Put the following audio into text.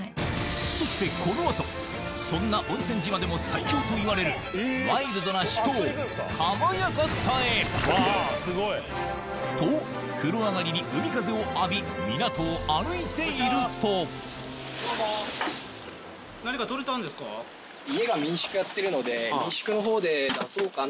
そしてこの後そんな温泉島でも最強といわれるワイルドな秘湯「かまやかた」へと風呂上がりに海風を浴び港を歩いていると家が民宿やってるので。